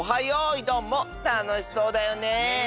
よいどん」もたのしそうだよね！